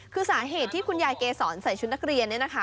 คือสาเหตุที่คุณยายเกษรใส่ชุดนักเรียนเนี่ยนะคะ